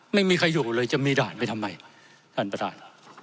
ไม่มีใครอยู่เลยจะมีด่านไปทำไมท่านประธาน